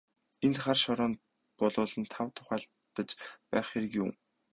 Энд хар шороонд булуулан тав тух алдаж байх хэрэг юун.